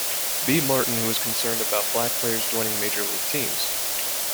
B. Martin, who was concerned about black players joining Major League teams.